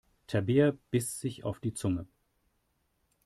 Tabea biss sich auf die Zunge.